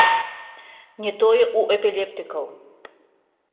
Не тое ў эпілептыкаў.